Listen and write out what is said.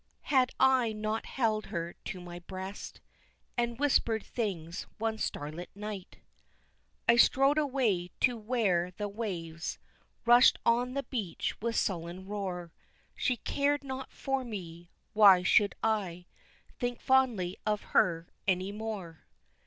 Had I not held her to my breast, And whispered things one starlight night? I strode away to where the waves Rushed on the beach with sullen roar, She cared not for me, why should I Think fondly of her any more?